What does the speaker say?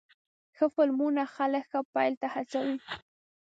ښه فلمونه خلک ښه پیل ته هڅوې.